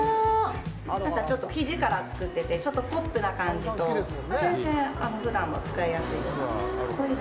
なんかちょっと生地から作ってて、ちょっとポップな感じと、全然ふだんも使いやすいような、こういうの。